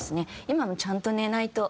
今ちゃんと寝ないと。